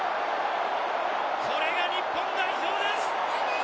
これが日本代表です。